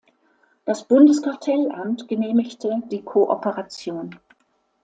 Das Bundeskartellamt genehmigte die Kooperation.